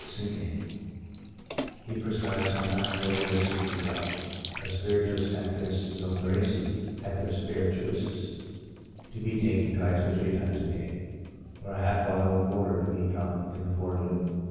Cinchonae ; he prescribes sometimes forty or sixty drops of Spiritus Etheris Sulphurici (ether spirituosus) to be taken twice or three times a day, or half a bottle of porter to be drunk in the forenoon.